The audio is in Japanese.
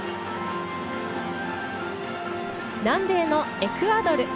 南米のエクアドル。